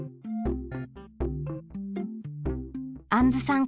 あんずさん